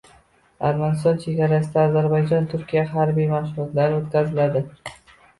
Armaniston chegarasida Ozarbayjon-Turkiya harbiy mashg‘ulotlari o‘tkaziladi